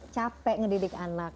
capek ngedidik anak